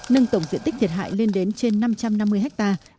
nâng tổng diện tích thiệt hại lên đến trên năm trăm năm mươi hectare